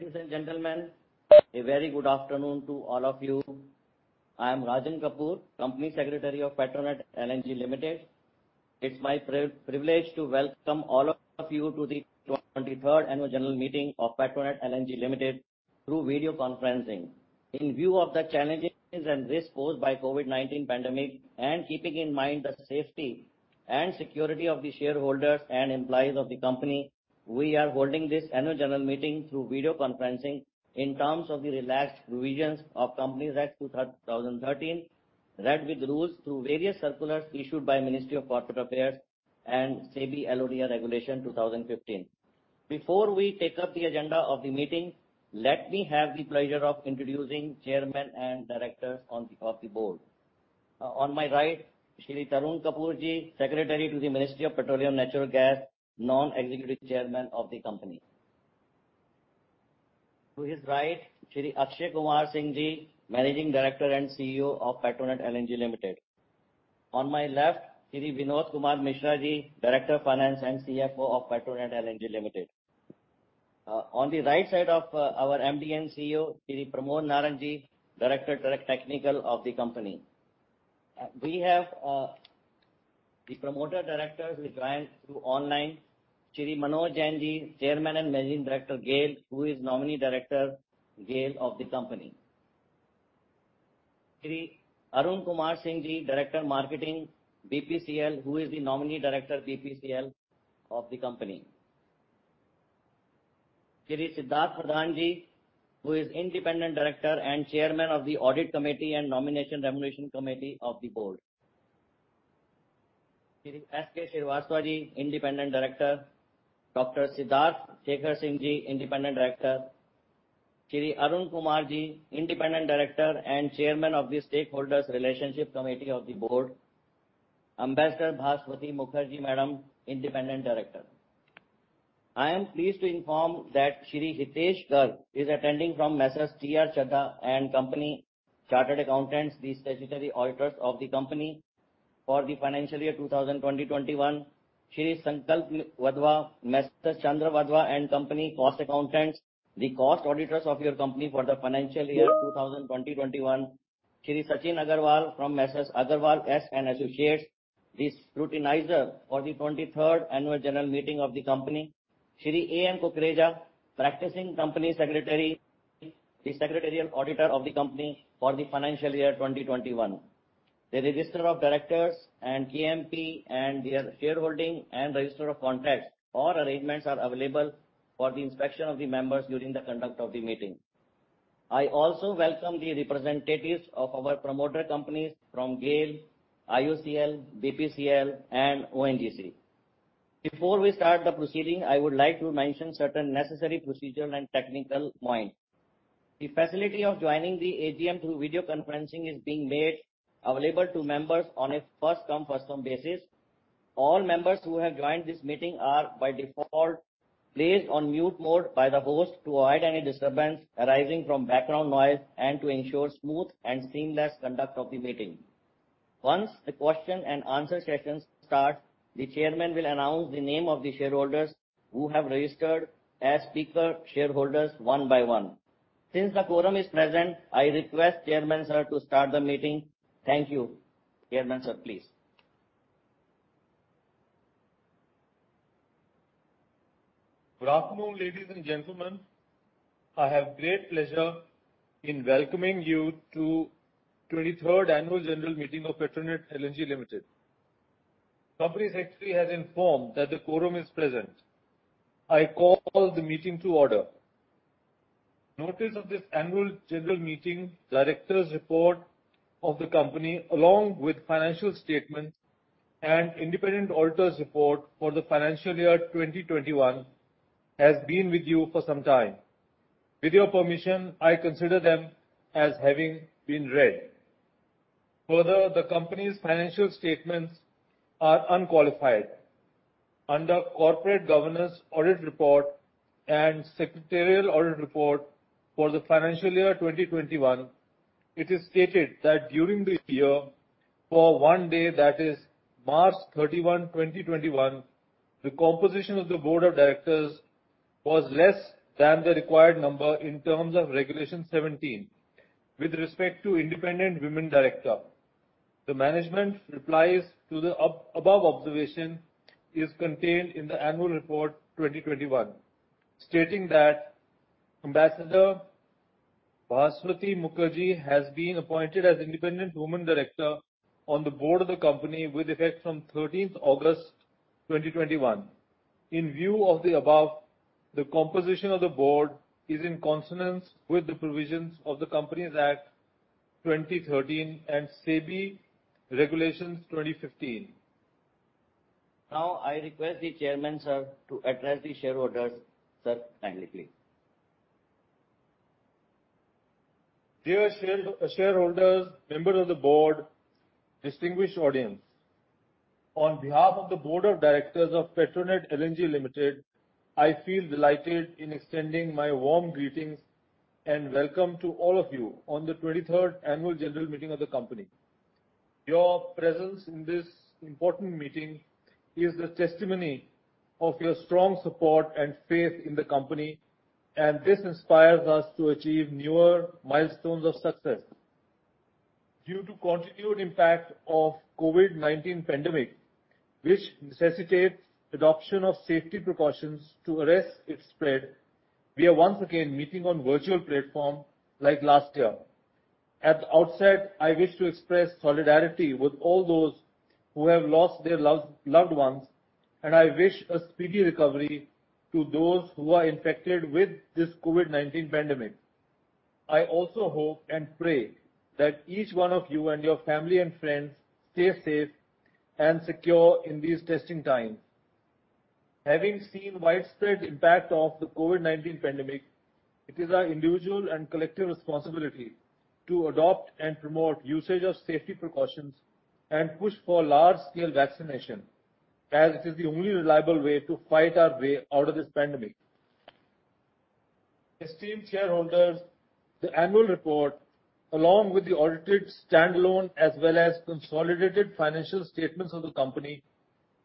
Ladies and gentlemen, a very good afternoon to all of you. I am Rajan Kapur, Company Secretary of Petronet LNG Limited. It's my privilege to welcome all of you to the 23rd Annual General Meeting of Petronet LNG Limited through video conferencing. In view of the challenges and risks posed by COVID-19 pandemic, and keeping in mind the safety and security of the shareholders and employees of the company, we are holding this Annual General Meeting through video conferencing in terms of the relaxed provisions of Companies Act, 2013, read with rules through various circulars issued by Ministry of Corporate Affairs and SEBI LODR Regulations, 2015. Before we take up the agenda of the meeting, let me have the pleasure of introducing chairman and directors of the board. On my right, Shri Tarun Kapoorji, Secretary to the Ministry of Petroleum and Natural Gas, Non-Executive Chairman of the company. To his right, Shri Akshay Kumar Singhji, Managing Director and CEO of Petronet LNG Limited. On my left, Shri Vinod Kumar Mishraji, Director of Finance and CFO of Petronet LNG Limited. On the right side of our MD and CEO, Shri Pramod Narangji, Director (Technical) of the company. We have the promoter directors who joined through online. Shri Manoj Jainji, Chairman and Managing Director, GAIL, who is nominee director, GAIL of the company. Shri Arun Kumar Singhji, Director (Marketing), BPCL, who is the nominee director, BPCL of the company. Shri Siddharth Pradhanji, who is Independent Director and Chairman of the Audit Committee and Nomination Remuneration Committee of the board. Shri S. K. Srivastavaji, Independent Director. Dr. Siddhartha Shekhar Singhji, Independent Director. Shri Arun Kumar, Independent Director and Chairman of the Stakeholders Relationship Committee of the board. Ambassador Bhaswati Mukherjee, Madam, Independent Director. I am pleased to inform that Shri Hitesh Garg is attending from Messrs. T. R. Chadha & Company, Chartered Accountants, the statutory auditors of the company for the financial year 2020-21. Shri Sankalp Wadhwa, Messrs. Chandra Wadhwa & Company, Cost Accountants, the cost auditors of your company for the financial year 2020-21. Shri Sachin Agarwal from Messrs. Agarwal S. & Associates, the scrutinizer for the 23rd Annual General Meeting of the company. Shri A. N. Kukreja, Practicing Company Secretary, the secretarial auditor of the company for the financial year 2020-21. The Register of Directors and KMP and the shareholding and register of contracts or arrangements are available for the inspection of the members during the conduct of the meeting. I also welcome the representatives of our promoter companies from GAIL, IOCL, BPCL, and ONGC. Before we start the proceeding, I would like to mention certain necessary procedural and technical points. The facility of joining the AGM through video conferencing is being made available to members on a first come, first served basis. All members who have joined this meeting are by default placed on mute mode by the host to avoid any disturbance arising from background noise and to ensure smooth and seamless conduct of the meeting. Once the question and answer sessions start, the chairman will announce the name of the shareholders who have registered as speaker shareholders one by one. Since the quorum is present, I request chairman, sir, to start the meeting. Thank you. Chairman, sir, please. Good afternoon, ladies and gentlemen. I have great pleasure in welcoming you to 23rd Annual General Meeting of Petronet LNG Limited. Company secretary has informed that the quorum is present. I call the meeting to order. Notice of this annual general meeting, directors' report of the company, along with financial statements and independent auditor's report for the financial year 2021, has been with you for some time. With your permission, I consider them as having been read. Further, the company's financial statements are unqualified. Under corporate governance audit report and secretarial audit report for the financial year 2021, it is stated that during this year, for one day, that is March 31, 2021, the composition of the board of directors was less than the required number in terms of Regulation 17, with respect to independent women director. The management replies to the above observation is contained in the annual report 2021, stating that Ambassador Bhaswati Mukherjee has been appointed as independent woman director on the board of the company with effect from 13th August 2021. In view of the above, the composition of the board is in consonance with the provisions of the Companies Act, 2013 and SEBI Regulations, 2015. Now, I request the Chairman, sir, to address the shareholders. Sir, kindly, please. Dear shareholders, members of the board, distinguished audience, on behalf of the Board of Directors of Petronet LNG Limited, I feel delighted in extending my warm greetings and welcome to all of you on the 23rd Annual General Meeting of the company. Your presence in this important meeting is a testimony of your strong support and faith in the company, and this inspires us to achieve newer milestones of success. Due to continued impact of COVID-19 pandemic, which necessitates adoption of safety precautions to arrest its spread, we are once again meeting on virtual platform like last year. At the outset, I wish to express solidarity with all those who have lost their lives, loved ones, and I wish a speedy recovery to those who are infected with this COVID-19 pandemic. I also hope and pray that each one of you and your family and friends stay safe and secure in these testing times. Having seen widespread impact of the COVID-19 pandemic, it is our individual and collective responsibility to adopt and promote usage of safety precautions and push for large-scale vaccination, as it is the only reliable way to fight our way out of this pandemic. Esteemed shareholders, the annual report, along with the audited standalone, as well as consolidated financial statements of the company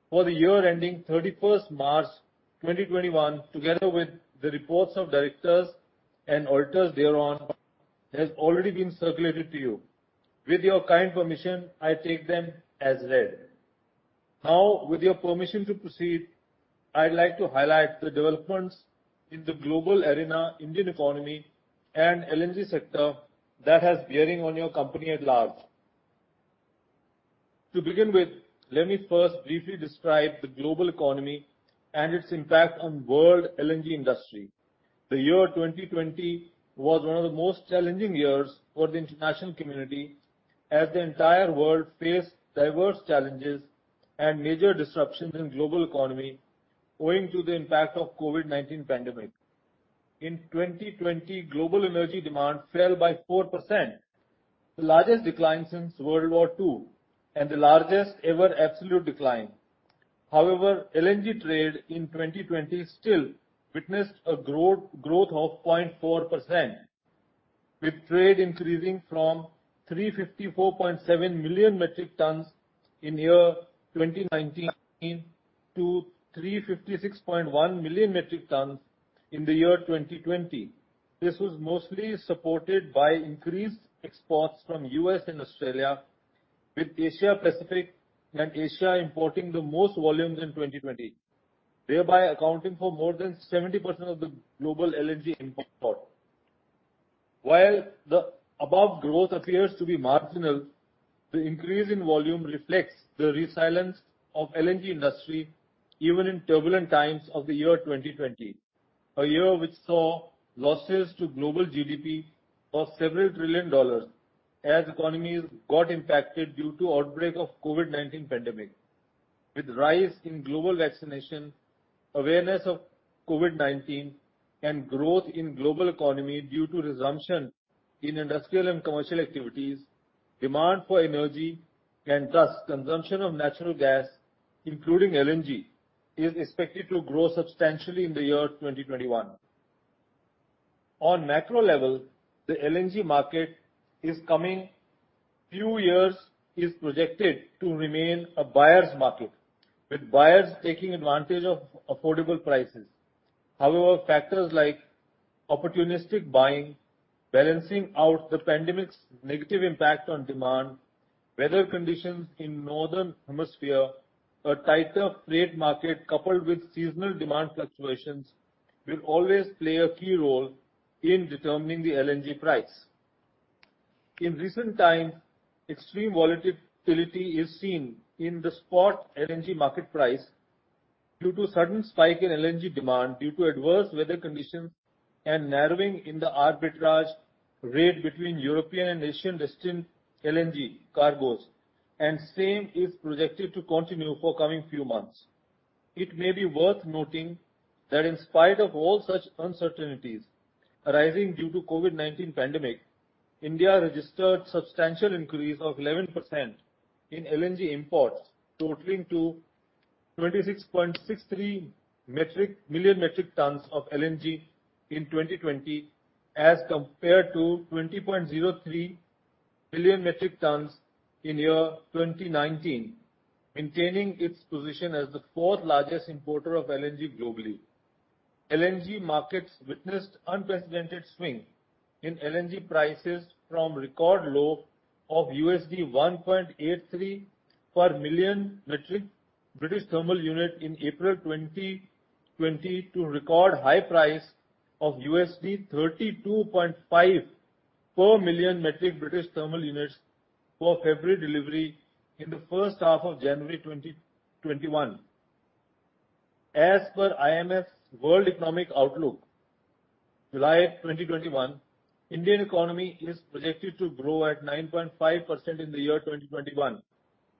for the year ending 31st March 2021, together with the reports of directors and auditors thereon, has already been circulated to you. With your kind permission, I take them as read. Now, with your permission to proceed, I'd like to highlight the developments in the global arena, Indian economy, and LNG sector that has bearing on your company at large. To begin with, let me first briefly describe the global economy and its impact on world LNG industry. The year 2020 was one of the most challenging years for the international community, as the entire world faced diverse challenges and major disruptions in global economy owing to the impact of COVID-19 pandemic. In 2020, global energy demand fell by 4%, the largest decline since World War II, and the largest ever absolute decline. However, LNG trade in 2020 still witnessed a growth, growth of 0.4%, with trade increasing from 354.7 million metric tons in year 2019 to 356.1 million metric tons in the year 2020. This was mostly supported by increased exports from U.S. and Australia, with Asia Pacific and Asia importing the most volumes in 2020, thereby accounting for more than 70% of the global LNG import. While the above growth appears to be marginal, the increase in volume reflects the resilience of LNG industry, even in turbulent times of the year 2020, a year which saw losses to global GDP of $several trillion as economies got impacted due to outbreak of COVID-19 pandemic. With rise in global vaccination, awareness of COVID-19, and growth in global economy due to resumption in industrial and commercial activities, demand for energy and thus consumption of natural gas, including LNG, is expected to grow substantially in the year 2021. On macro level, the LNG market is coming—few years is projected to remain a buyer's market, with buyers taking advantage of affordable prices. However, factors like opportunistic buying, balancing out the pandemic's negative impact on demand, weather conditions in the Northern Hemisphere, a tighter freight market, coupled with seasonal demand fluctuations, will always play a key role in determining the LNG price. In recent times, extreme volatility is seen in the spot LNG market price due to sudden spike in LNG demand, due to adverse weather conditions and narrowing in the arbitrage rate between European and Asian-destined LNG cargoes, and same is projected to continue for coming few months. It may be worth noting that in spite of all such uncertainties arising due to COVID-19 pandemic, India registered substantial increase of 11% in LNG imports, totaling to 26.63 million metric tons of LNG in 2020, as compared to 20.03 billion metric tons in year 2019, maintaining its position as the fourth largest importer of LNG globally. LNG markets witnessed unprecedented swing in LNG prices from record low of $1.83 per million metric British thermal unit in April 2020, to record high price of $32.5 per million metric British thermal units for February delivery in the first half of January 2021. As per IMF's World Economic Outlook, July 2021, Indian economy is projected to grow at 9.5% in the year 2021,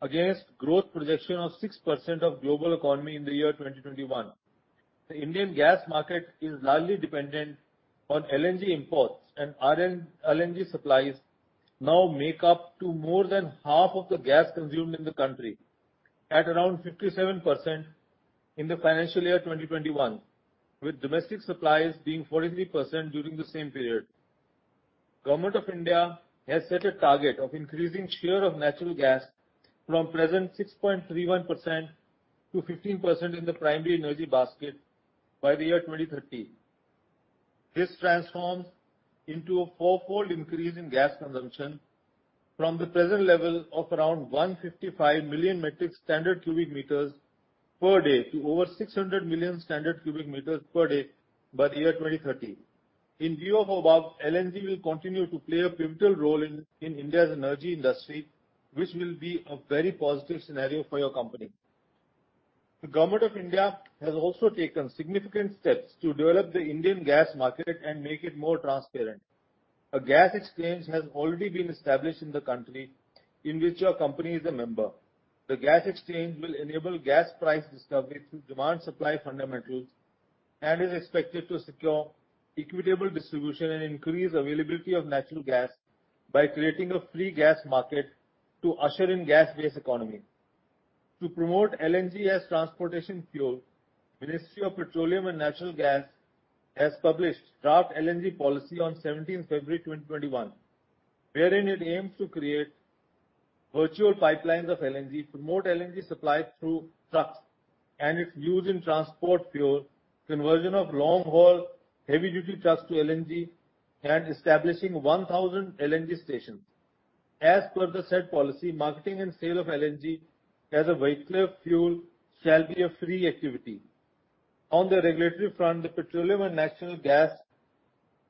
against growth projection of 6% of global economy in the year 2021. The Indian gas market is largely dependent on LNG imports, and RLNG supplies now make up to more than half of the gas consumed in the country at around 57% in the financial year 2021, with domestic supplies being 43% during the same period. Government of India has set a target of increasing share of natural gas from present 6.31% to 15% in the primary energy basket by the year 2030. This transforms into a fourfold increase in gas consumption from the present level of around 155 million metric standard cubic meters per day to over 600 million standard cubic meters per day by the year 2030. In view of above, LNG will continue to play a pivotal role in India's energy industry, which will be a very positive scenario for your company. The government of India has also taken significant steps to develop the Indian gas market and make it more transparent. A gas exchange has already been established in the country, in which your company is a member. The gas exchange will enable gas price discovery through demand, supply fundamentals, and is expected to secure equitable distribution and increase availability of natural gas by creating a free gas market to usher in gas-based economy. To promote LNG as transportation fuel, Ministry of Petroleum and Natural Gas has published Draft LNG Policy on 17th February 2021, wherein it aims to create virtual pipelines of LNG, promote LNG supply through trucks, and its use in transport fuel, conversion of long-haul, heavy-duty trucks to LNG, and establishing 1,000 LNG stations. As per the said policy, marketing and sale of LNG as a vehicle fuel shall be a free activity. On the regulatory front, the Petroleum and Natural Gas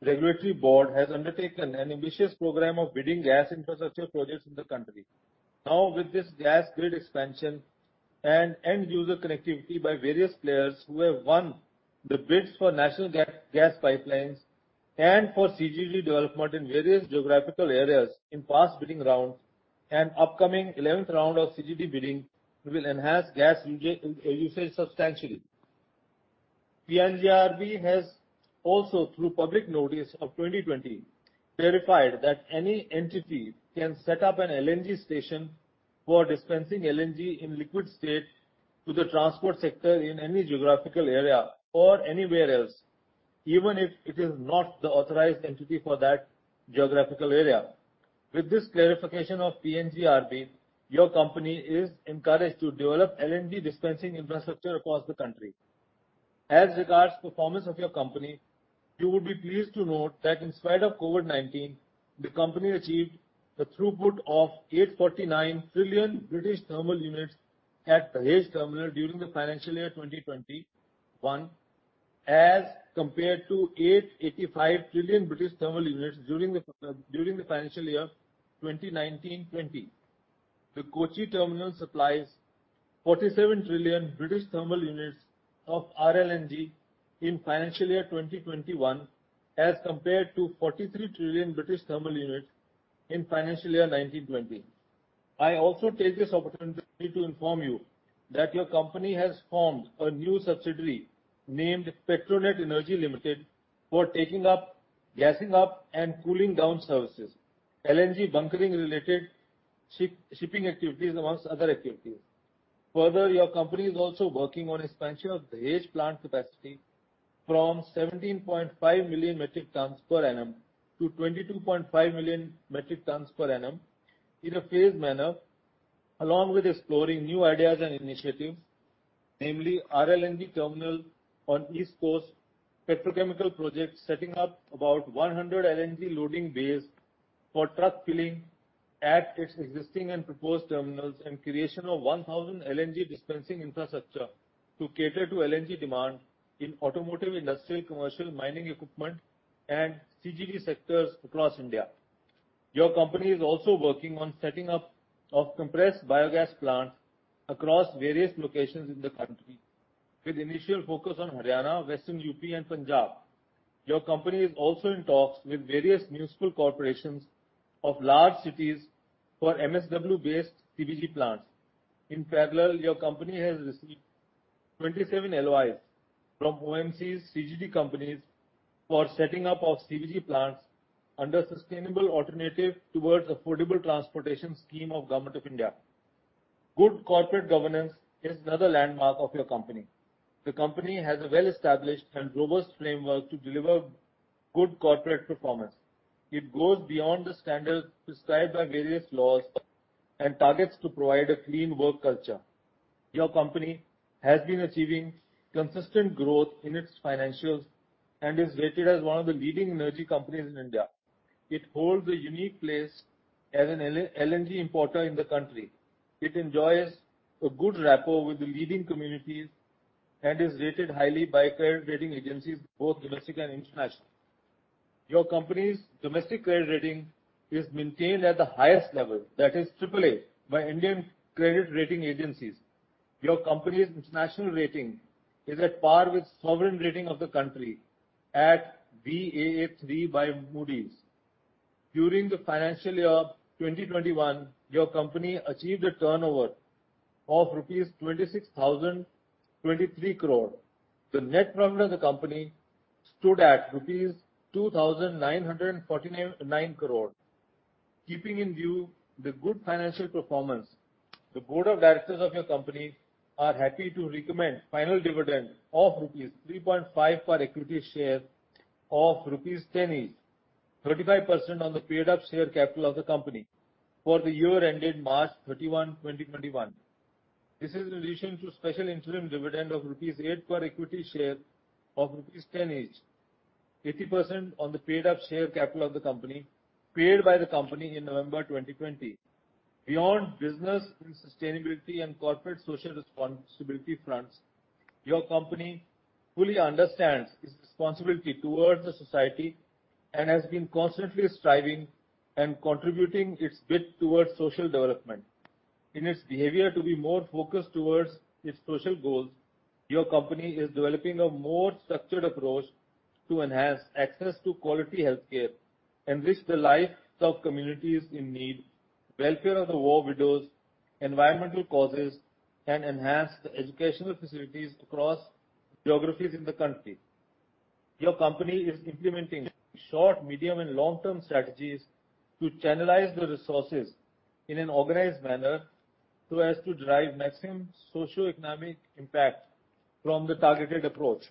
Regulatory Board has undertaken an ambitious program of bidding gas infrastructure projects in the country. Now, with this gas grid expansion and end user connectivity by various players who have won the bids for national gas pipelines and for CGD development in various geographical areas in past bidding rounds, and upcoming 11th round of CGD bidding will enhance gas usage substantially. PNGRB has also, through public notice of 2020, clarified that any entity can set up an LNG station for dispensing LNG in liquid state to the transport sector in any geographical area or anywhere else, even if it is not the authorized entity for that geographical area. With this clarification of PNGRB, your company is encouraged to develop LNG dispensing infrastructure across the country. As regards performance of your company, you will be pleased to note that in spite of COVID-19, the company achieved a throughput of 849 trillion British thermal units at Dahej terminal during the financial year 2021, as compared to 885 trillion British thermal units during the financial year 2019-20. The Kochi terminal supplies 47 trillion British thermal units of RLNG in financial year 2021, as compared to 43 trillion British thermal units in financial year 2019-20. I also take this opportunity to inform you that your company has formed a new subsidiary, named Petronet Energy Limited, for taking up gassing up and cooling down services, LNG bunkering related ship, shipping activities, among other activities. Further, your company is also working on expansion of Dahej plant capacity from 17.5 million metric tons per annum to 22.5 million metric tons per annum in a phased manner, along with exploring new ideas and initiatives, namely RLNG terminal on East Coast, petrochemical projects, setting up about 100 LNG loading base for truck filling at its existing and proposed terminals, and creation of 1,000 LNG dispensing infrastructure to cater to LNG demand in automotive, industrial, commercial, mining equipment, and CGD sectors across India. Your company is also working on setting up of compressed biogas plants across various locations in the country, with initial focus on Haryana, Western UP, and Punjab. Your company is also in talks with various municipal corporations of large cities for MSW-based CBG plants. In parallel, your company has received 27 LOIs from OMCs, CGD companies, for setting up of CBG plants under Sustainable Alternative Towards Affordable Transportation scheme of Government of India. Good corporate governance is another landmark of your company. The company has a well-established and robust framework to deliver good corporate performance. It goes beyond the standards prescribed by various laws, and targets to provide a clean work culture. Your company has been achieving consistent growth in its financials and is rated as one of the leading energy companies in India. It holds a unique place as an LNG importer in the country. It enjoys a good rapport with the leading communities, and is rated highly by credit rating agencies, both domestic and international. Your company's domestic credit rating is maintained at the highest level, that is AAA, by Indian credit rating agencies. Your company's international rating is at par with sovereign rating of the country at Baa3 by Moody's. During the financial year 2021, your company achieved a turnover of rupees 26,023 crore. The net profit of the company stood at rupees 2,499.9 crore. Keeping in view the good financial performance, the board of directors of your company are happy to recommend final dividend of rupees 3.5 per equity share of rupees 10 each, 35% on the paid-up share capital of the company for the year ended March 31, 2021. This is in addition to special interim dividend of rupees 8 per equity share of rupees 10 each, 80% on the paid-up share capital of the company, paid by the company in November 2020. Beyond business and sustainability and corporate social responsibility fronts, your company fully understands its responsibility towards the society, and has been constantly striving and contributing its bit towards social development. In its behavior to be more focused towards its social goals, your company is developing a more structured approach to enhance access to quality healthcare, enrich the lives of communities in need, welfare of the war widows, environmental causes, and enhance the educational facilities across geographies in the country. Your company is implementing short, medium, and long-term strategies to channelize the resources in an organized manner so as to derive maximum socioeconomic impact from the targeted approach.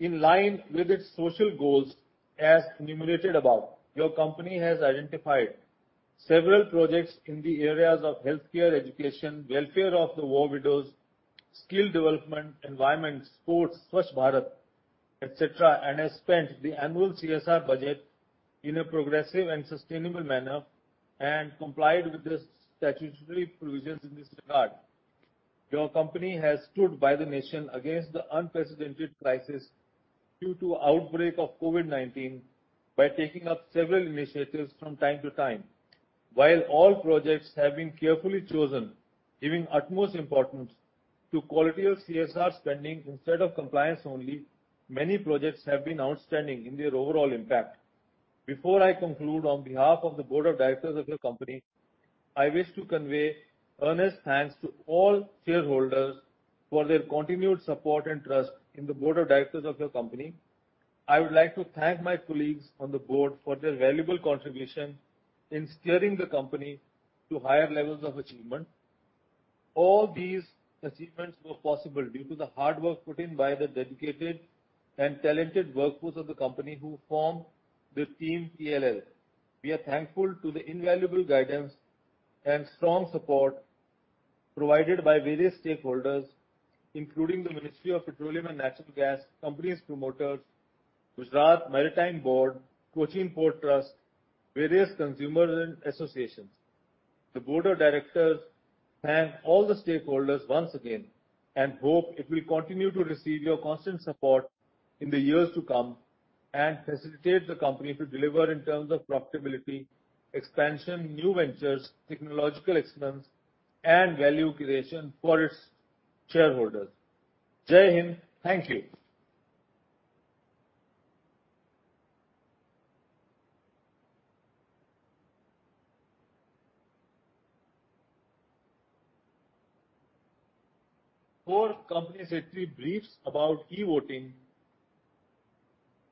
In line with its social goals, as enumerated above, your company has identified several projects in the areas of healthcare, education, welfare of the war widows, skill development, environment, sports, Swachh Bharat, et cetera, and has spent the annual CSR budget in a progressive and sustainable manner, and complied with the statutory provisions in this regard. Your company has stood by the nation against the unprecedented crisis due to outbreak of COVID-19 by taking up several initiatives from time to time. While all projects have been carefully chosen, giving utmost importance to quality of CSR spending instead of compliance only, many projects have been outstanding in their overall impact. Before I conclude, on behalf of the board of directors of your company, I wish to convey earnest thanks to all shareholders for their continued support and trust in the board of directors of your company. I would like to thank my colleagues on the board for their valuable contribution in steering the company to higher levels of achievement. All these achievements were possible due to the hard work put in by the dedicated and talented workforce of the company, who form the Team PLL. We are thankful to the invaluable guidance and strong support provided by various stakeholders, including the Ministry of Petroleum and Natural Gas, company's promoters, Gujarat Maritime Board, Cochin Port Trust, various consumer and associations. The board of directors thank all the stakeholders once again, and hope it will continue to receive your constant support in the years to come, and facilitate the company to deliver in terms of profitability, expansion, new ventures, technological excellence, and value creation for its shareholders. Jai Hind. Thank you. Before Company Secretary briefs about e-voting,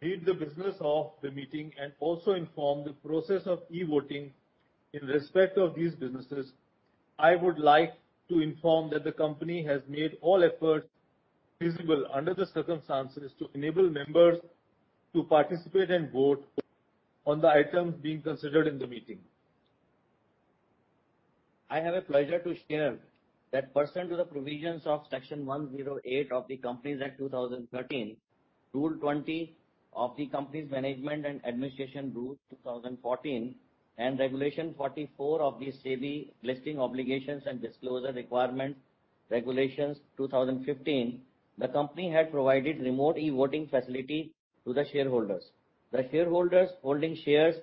read the business of the meeting, and also inform the process of e-voting in respect of these businesses, I would like to inform that the company has made all efforts feasible under the circumstances, to enable members to participate and vote on the items being considered in the meeting. I have a pleasure to share that pursuant to the provisions of Section 108 of the Companies Act, 2013, Rule 20 of the Companies (Management and Administration) Rules, 2014, and Regulation 44 of the SEBI (Listing Obligations and Disclosure Requirements) Regulations, 2015, the company had provided remote e-voting facility to the shareholders. The shareholders holding shares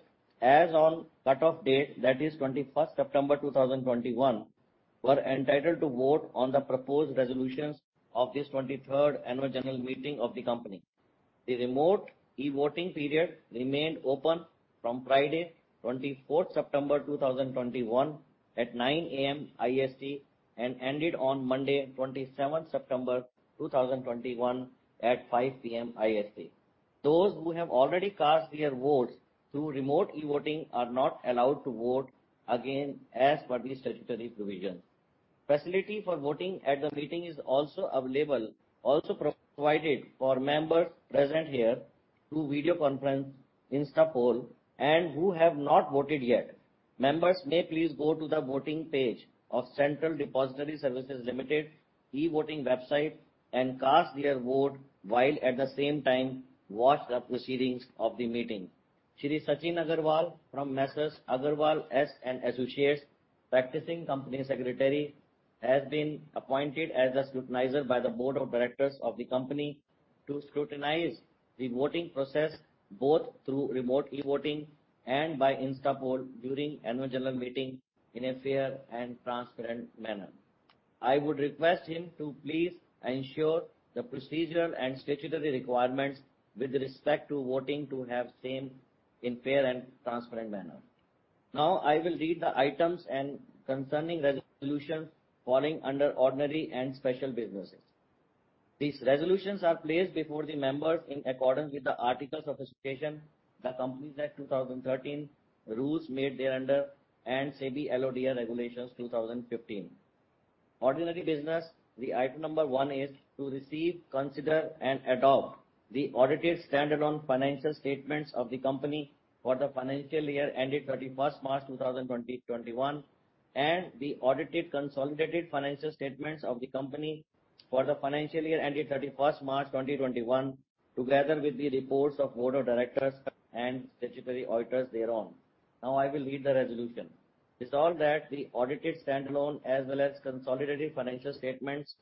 as on cutoff date, that is 21st September 2021, were entitled to vote on the proposed resolutions of this 23rd annual general meeting of the company. The remote e-voting period remained open from Friday, 24th September 2021, at 9:00 A.M. IST, and ended on Monday, 27th September 2021, at 5:00 P.M. IST. Those who have already cast their votes through remote e-voting are not allowed to vote again, as per the statutory provisions. Facility for voting at the meeting is also available, also provided for members present here through video conference InstaPoll, and who have not voted yet. Members may please go to the voting page of Central Depository Services (India) Limited e-voting website and cast their vote, while at the same time, watch the proceedings of the meeting. Shri Sachin Agarwal from Messrs Agarwal S. & Associates, practicing company secretary, has been appointed as the scrutinizer by the board of directors of the company to scrutinize the voting process, both through remote e-voting and by InstaPoll, during annual general meeting in a fair and transparent manner. I would request him to please ensure the procedural and statutory requirements with respect to voting, to have same in fair and transparent manner.... Now, I will read the items and concerning resolutions falling under ordinary and special businesses. These resolutions are placed before the members in accordance with the Articles of Association, the Companies Act, 2013, rules made thereunder, and SEBI LODR Regulations, 2015. Ordinary business, the item number 1 is to receive, consider, and adopt the audited standalone financial statements of the company for the financial year ended 31st March 2021, and the audited consolidated financial statements of the company for the financial year ended 31st March 2021, together with the reports of the board of directors and statutory auditors thereon. Now, I will read the resolution. Resolved that the audited standalone as well as consolidated financial statements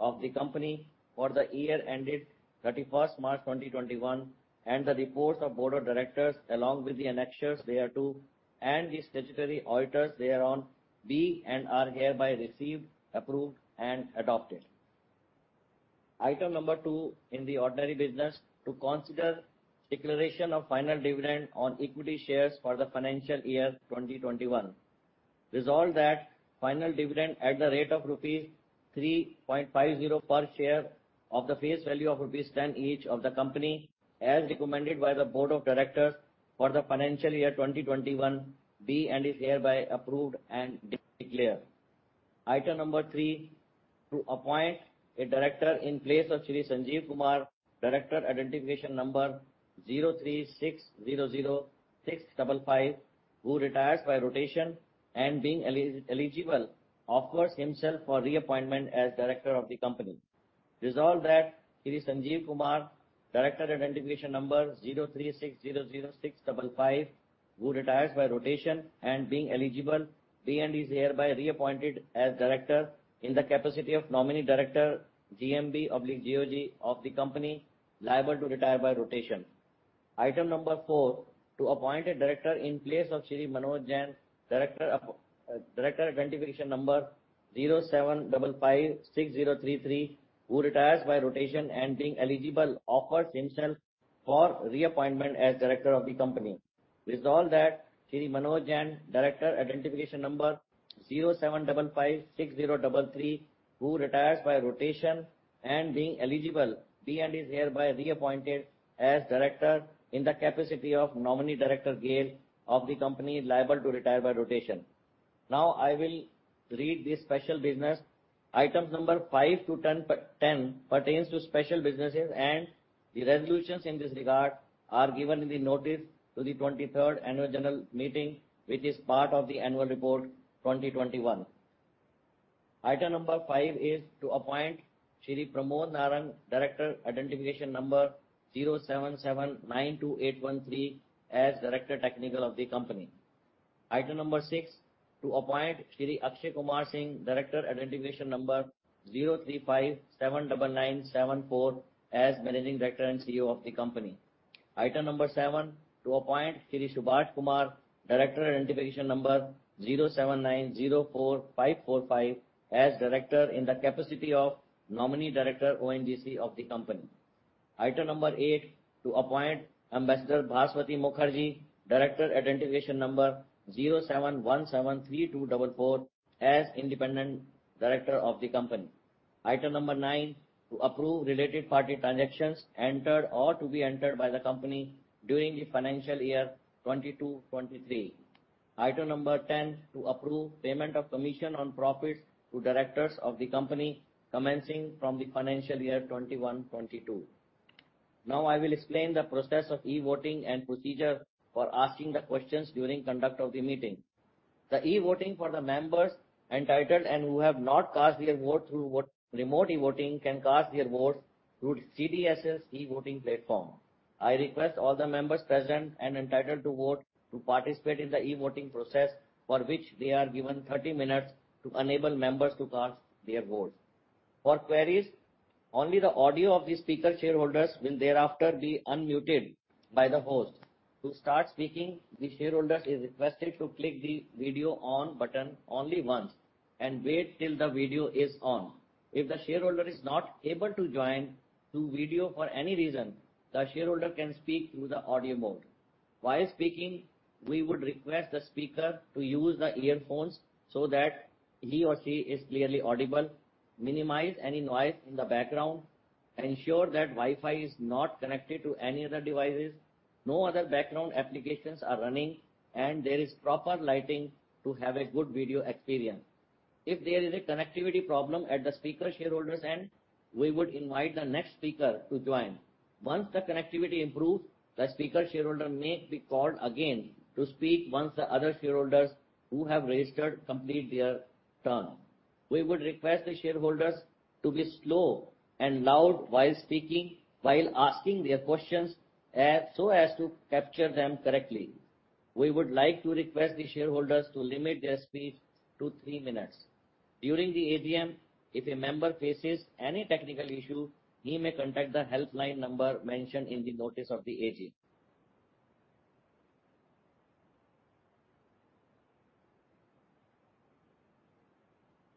of the company for the year ended 31st March 2021, and the reports of the board of directors, along with the annexures thereto, and the statutory auditors thereon, be and are hereby received, approved, and adopted. Item number 2 in the ordinary business: to consider declaration of final dividend on equity shares for the financial year 2021. Resolved that final dividend at the rate of rupees 3.50 per share of the face value of rupees 10 each of the company, as recommended by the board of directors for the financial year 2021, be and is hereby approved and declared. Item number 3: to appoint a director in place of Shri Sanjeev Kumar, Director Identification Number 03600655, who retires by rotation and, being eligible, offers himself for reappointment as director of the company. Resolved that Shri Sanjeev Kumar, Director Identification Number 03600655, who retires by rotation and being eligible, be and is hereby reappointed as director in the capacity of nominee director, GMB/GOG, of the company, liable to retire by rotation. Item number 4: to appoint a director in place of Shri Manoj Jain, director of, Director Identification Number 07556033, who retires by rotation and being eligible, offers himself for reappointment as director of the company. Resolved that Shri Manoj Jain, Director Identification Number 07556033, who retires by rotation and being eligible, be and is hereby reappointed as director in the capacity of nominee director, GAIL, of the company, liable to retire by rotation. Now, I will read the special business. Items number 5 to 10 pertain to special businesses, and the resolutions in this regard are given in the notice to the 23rd annual general meeting, which is part of the annual report 2021. Item number 5 is to appoint Shri Pramod Narang, director identification number 07792813, as Director Technical of the company. Item number 6: to appoint Shri Akshay Kumar Singh, director identification number 03579974, as Managing Director and CEO of the company. Item number 7: to appoint Shri Subodh Kumar, director identification number 07904545, as Director in the capacity of nominee director, ONGC, of the company. Item number 8: to appoint Ambassador Bhaswati Mukherjee, director identification number 07173244, as Independent Director of the company. Item number 9: to approve related party transactions entered or to be entered by the company during the financial year 2022-2023. Item number 10: to approve payment of commission on profits to directors of the company, commencing from the financial year 2021-2022. Now, I will explain the process of e-voting and procedure for asking the questions during conduct of the meeting. The e-voting for the members entitled and who have not cast their vote through remote e-voting can cast their votes through CDSL's e-voting platform. I request all the members present and entitled to vote to participate in the e-voting process, for which they are given 30 minutes to enable members to cast their votes. For queries, only the audio of the speaker shareholders will thereafter be unmuted by the host. To start speaking, the shareholder is requested to click the Video On button only once, and wait till the video is on. If the shareholder is not able to join to video for any reason, the shareholder can speak through the audio mode. While speaking, we would request the speaker to use the earphones so that he or she is clearly audible, minimize any noise in the background, ensure that Wi-Fi is not connected to any other devices, no other background applications are running, and there is proper lighting to have a good video experience. If there is a connectivity problem at the speaker shareholder's end, we would invite the next speaker to join. Once the connectivity improves, the speaker shareholder may be called again to speak once the other shareholders who have registered complete their turn. We would request the shareholders to be slow and loud while speaking while asking their questions, so as to capture them correctly. We would like to request the shareholders to limit their speech to three minutes. During the AGM, if a member faces any technical issue, he may contact the helpline number mentioned in the notice of the AGM.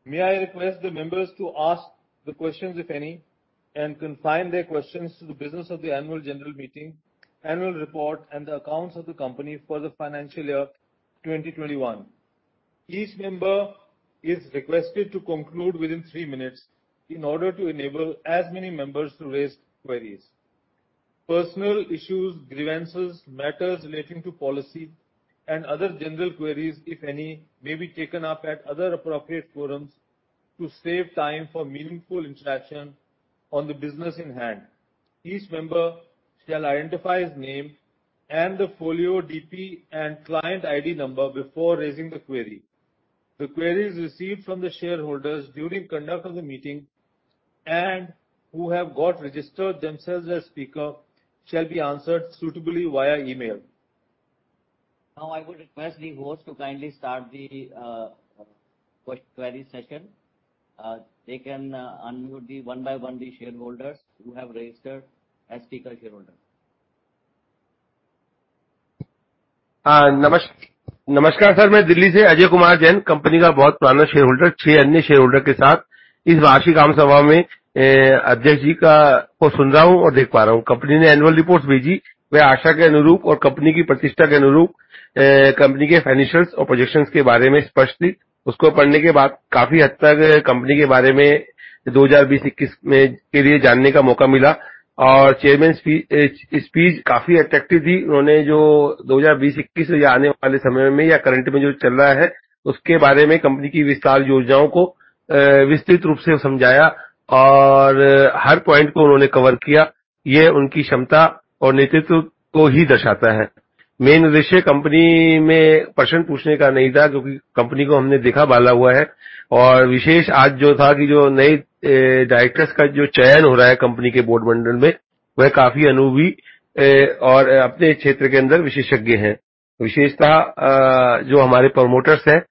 ...May I request the members to ask the questions, if any, and confine their questions to the business of the Annual General Meeting, Annual Report, and the accounts of the company for the Financial Year 2021. Each member is requested to conclude within 3 minutes in order to enable as many members to raise queries. Personal issues, grievances, matters relating to policy, and other general queries, if any, may be taken up at other appropriate forums to save time for meaningful interaction on the business in hand. Each member shall identify his name and the folio DP and client ID number before raising the query. The queries received from the shareholders during conduct of the meeting, and who have got registered themselves as speaker, shall be answered suitably via email. Now, I would request the host to kindly start the question query session. They can unmute one by one the shareholders who have registered as speaker shareholder. Namaskar, sir. Main Delhi se Ajay Kumar Jain, company ka bahut purana shareholder, 6 anya shareholder ke saath is varshik samanya sabha mein, adhyaksh ji ka, ko sun raha hoon aur dekh pa raha hoon. Company ne annual report bheji, woh aasha ke anurup aur company ki pratishtha ke anurup, company ke financials aur projections ke baare mein spasht thi. Usko padhne ke baad kaafi hadd tak company ke baare mein 2021 mein, ke liye janne ka mauka mila aur chairman speech kaafi attractive thi. Unhone jo 2021 ya aane wale samay mein ya current mein jo chal raha hai, uske baare mein company ki vistaar yojnaon ko vistrit roop se samjhaya aur har point ko unhone cover kiya. Ye unki sakshamta aur netritva ko hi darshata hai. Main vishay company mein prashn poochhne ka nahi tha, kyonki company ko humne dekha balwan hai aur vishesh aaj jo tha ki jo naye directors ka jo chayan ho raha hai, company ke board mein, woh kaafi anubhavi aur apne kshetra ke andar visheshagya hain. Visheshatah jo humare promoters hain,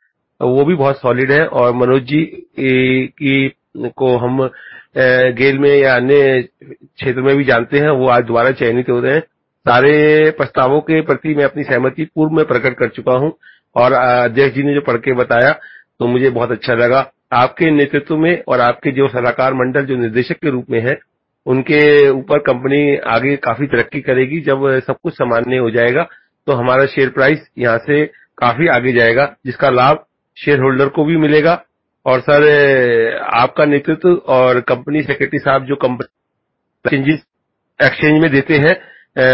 woh bhi bahut solid hain aur Manoj ji ko hum GAIL mein ya anya kshetra mein bhi jaante hain. Woh aaj dwara chayanit ho rahe hain. Saare prastavon ke prati main apni sehmatji poorv mein prakat kar chuka hoon aur adhyaksh ji ne jo padh ke bataya, toh mujhe bahut achcha laga. Aapke netritw mein aur aapke jo salahaakar mandal jo nirdeshak ke roop mein hai, unke upar company aage kaafi tadakki karegi. Jab sab kuch sammanya ho jayega, toh hamara share price yahaan se kaafi aage jayega, jiska labh shareholder ko bhi milega. Aur sir, aapka netritw aur company secretary sahab jo company exchanges, exchange mein dete hain, woh bilkul sehmatvi deta hai. Sabka mishran bahut shareholder ko achcha lagta hai. Aapke liye shubhkamnaye. Namaskar. Jai Hind. Thank you, Ajay Kumar Jain ji, aapka bahut, bahut dhanyavaad... So hum aapka dhanyawaad karte hain. Host, please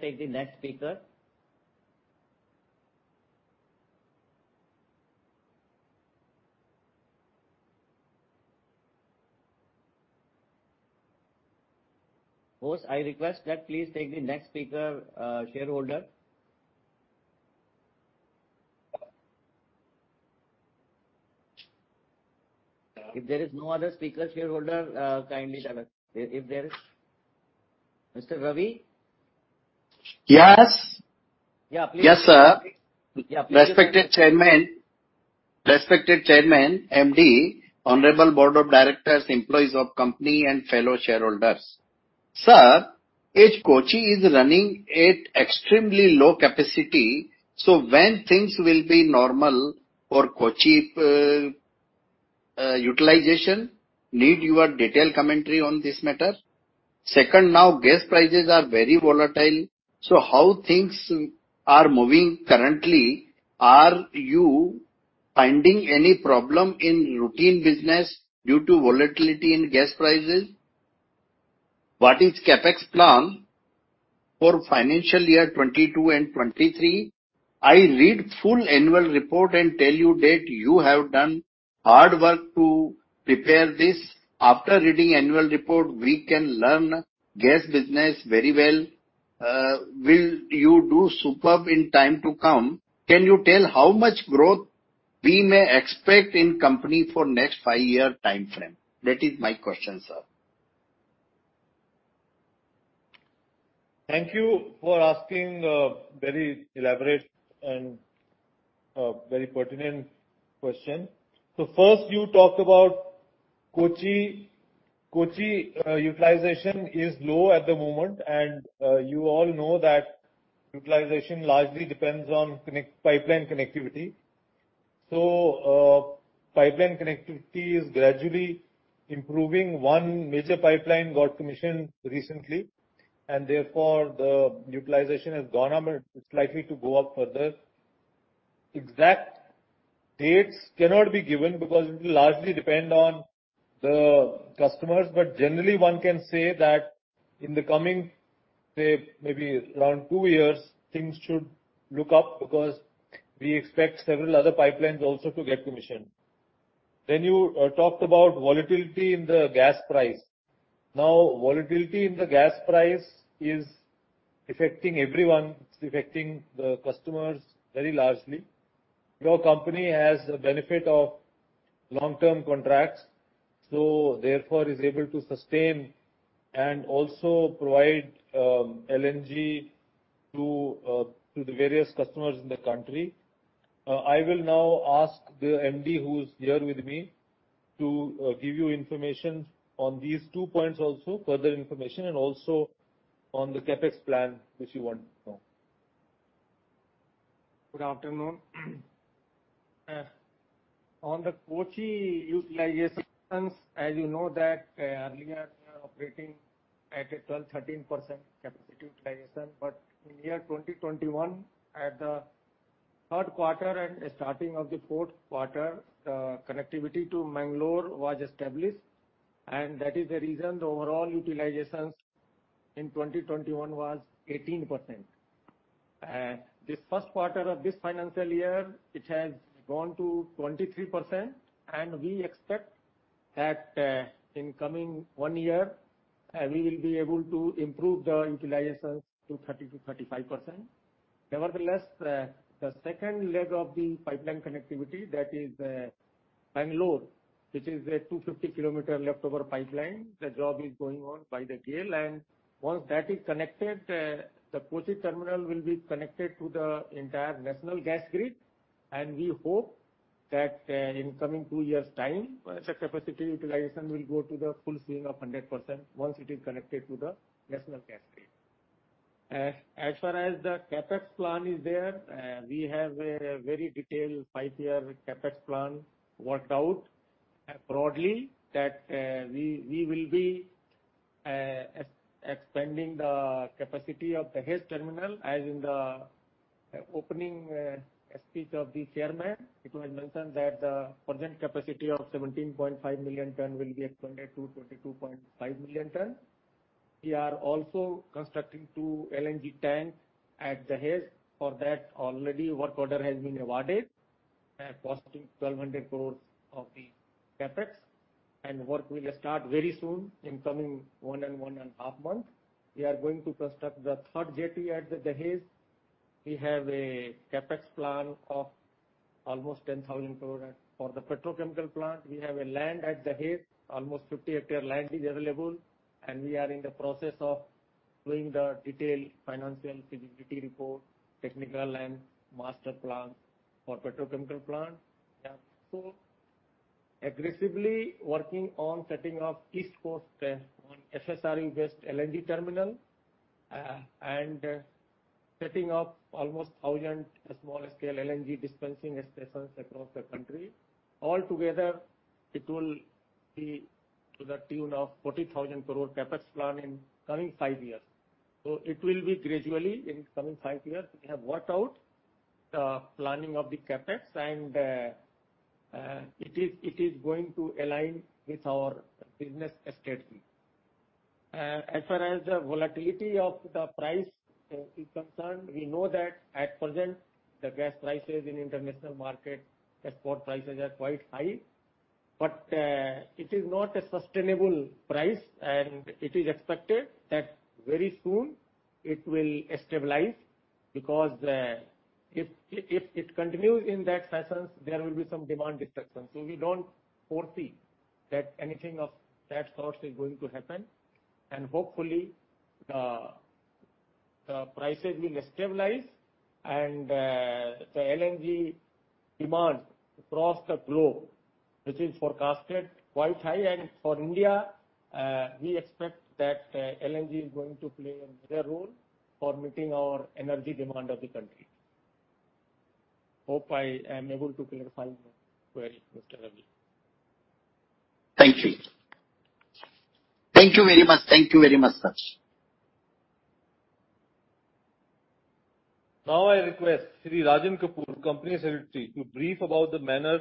take the next speaker. Host, I request that please take the next speaker, shareholder. If there is no other speaker, shareholder, kindly tell us. If there is... Mr. Ravi? Yes. Yeah, please. Yes, sir. Yeah, please- Respected Chairman, respected Chairman, MD, honorable Board of Directors, employees of company, and fellow shareholders. Sir, each Kochi is running at extremely low capacity, so when things will be normal for Kochi, utilization, need your detailed commentary on this matter. Second, now gas prices are very volatile, so how things are moving currently? Are you finding any problem in routine business due to volatility in gas prices? What is CapEx plan for financial year 2022 and 2023? I read full annual report and tell you that you have done hard work to prepare this. After reading annual report, we can learn gas business very well. Will you do superb in time to come? Can you tell how much growth we may expect in company for next five-year timeframe? That is my question, sir. Thank you for asking a very elaborate and very pertinent question. So first, you talked about Kochi. Kochi utilization is low at the moment, and you all know that utilization largely depends on pipeline connectivity. So pipeline connectivity is gradually improving. One major pipeline got commissioned recently, and therefore, the utilization has gone up, and it's likely to go up further. Exact dates cannot be given because it will largely depend on the customers, but generally, one can say that in the coming, say, maybe around two years, things should look up because we expect several other pipelines also to get commissioned. Then you talked about volatility in the gas price. Now, volatility in the gas price is affecting everyone. It's affecting the customers very largely. Your company has the benefit of... Long-term contracts, so therefore is able to sustain and also provide LNG to the various customers in the country. I will now ask the MD, who is here with me, to give you information on these two points also, further information, and also on the CapEx plan, which you want to know. Good afternoon. On the Kochi utilizations, as you know that, earlier we were operating at a 12-13% capacity utilization. But in 2021, at the third quarter and starting of the fourth quarter, the connectivity to Mangalore was established, and that is the reason the overall utilizations in 2021 was 18%. This first quarter of this financial year, it has gone to 23%, and we expect that, in coming one year, we will be able to improve the utilizations to 30%-35%. Nevertheless, the second leg of the pipeline connectivity, that is, Bangalore, which is a 250 km leftover pipeline. The job is going on by the GAIL, and once that is connected, the Kochi terminal will be connected to the entire national gas grid. We hope that in the coming two years' time, the capacity utilization will go to the full swing of 100% once it is connected to the national gas grid. As far as the CapEx plan is there, we have a very detailed five-year CapEx plan worked out. Broadly, that we will be expanding the capacity of Dahej terminal, as in the opening speech of the chairman. It was mentioned that the present capacity of 17.5 million tons will be expanded to 22.5 million tons. We are also constructing two LNG tanks at Dahej. For that, already work order has been awarded, costing 1,200 crores of CapEx, and work will start very soon, in the coming one and a half months. We are going to construct the third jetty at Dahej. We have a CapEx plan of almost 10,000 crore. For the petrochemical plant, we have a land at Dahej. Almost 50 hectare land is available, and we are in the process of doing the detailed financial feasibility report, technical and master plans for petrochemical plant. We are also aggressively working on setting up East Coast on FSRU-based LNG terminal and setting up almost 1,000 small-scale LNG dispensing stations across the country. Altogether, it will be to the tune of 40,000 crore CapEx plan in coming five years. So it will be gradually in coming five years. We have worked out the planning of the CapEx, and it is going to align with our business strategy. As far as the volatility of the price is concerned, we know that at present, the gas prices in international market, export prices are quite high. But, it is not a sustainable price, and it is expected that very soon it will stabilize, because, if it continues in that essence, there will be some demand destruction. So we don't foresee that anything of that sort is going to happen, and hopefully, the prices will stabilize, and, the LNG demand across the globe, which is forecasted quite high. And for India, we expect that, LNG is going to play a major role for meeting our energy demand of the country. Hope I am able to clarify your query, Mr. Ravi. Thank you. Thank you very much. Thank you very much, sir. Now I request Shri Rajan Kapur, Company Secretary, to brief about the manner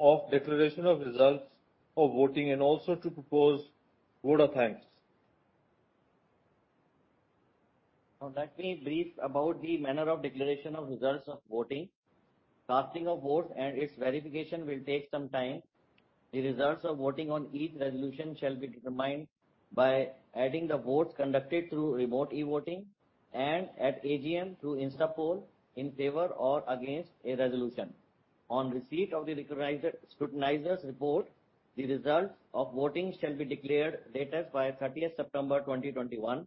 of declaration of results of voting and also to propose vote of thanks. Now, let me brief about the manner of declaration of results of voting. Casting of votes and its verification will take some time. The results of voting on each resolution shall be determined by adding the votes conducted through remote e-voting and at AGM through Instapoll in favor or against a resolution. On receipt of the scrutinizer's report, the results of voting shall be declared latest by 30th September 2021.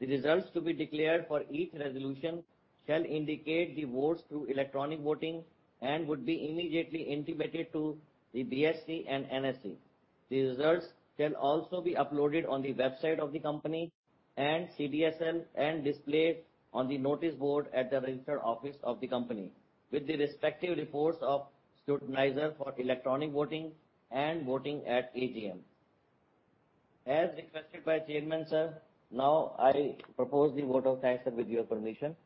The results to be declared for each resolution shall indicate the votes through electronic voting and would be immediately intimated to the BSE and NSE. The results shall also be uploaded on the website of the company and CDSL, and displayed on the notice board at the registered office of the company, with the respective reports of scrutinizer for electronic voting and voting at AGM. As requested by Chairman, sir, now I propose the vote of thanks, sir, with your permission.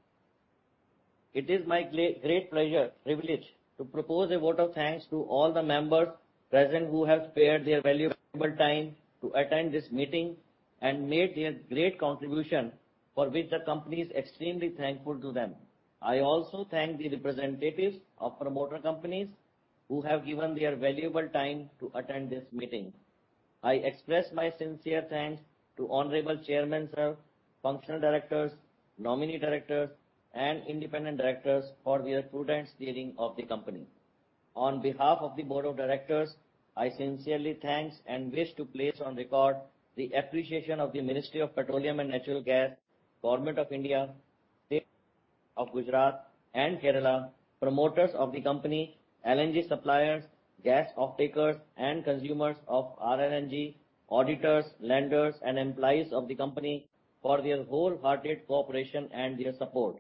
It is my great pleasure, privilege, to propose a vote of thanks to all the members present who have spared their valuable time to attend this meeting and made a great contribution, for which the company is extremely thankful to them. I also thank the representatives of promoter companies who have given their valuable time to attend this meeting. I express my sincere thanks to Honorable Chairman, sir, functional directors, nominee directors, and independent directors for their prudent steering of the company. On behalf of the Board of Directors, I sincerely thank and wish to place on record the appreciation of the Ministry of Petroleum and Natural Gas, Government of India, State of Gujarat and Kerala, promoters of the company, LNG suppliers, gas off-takers and consumers of RLNG, auditors, lenders, and employees of the company for their wholehearted cooperation and their support.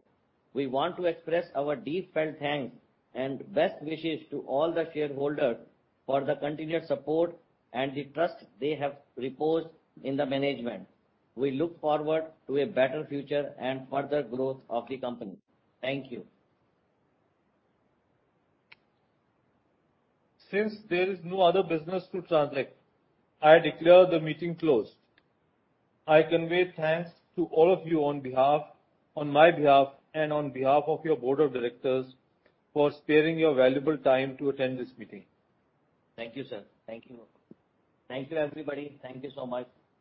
We want to express our deeply felt thanks and best wishes to all the shareholders for the continued support and the trust they have reposed in the management. We look forward to a better future and further growth of the company. Thank you. Since there is no other business to transact, I declare the meeting closed. I convey thanks to all of you on my behalf and on behalf of your board of directors, for sparing your valuable time to attend this meeting. Thank you, sir. Thank you. Thank you, everybody. Thank you so much.